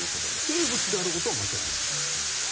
生物であることは間違いない？